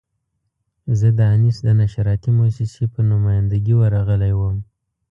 زه د انیس د نشراتي مؤسسې په نماینده ګي ورغلی وم.